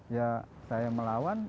ya saya melawan